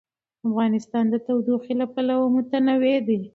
افغانستان د تودوخه له پلوه متنوع دی.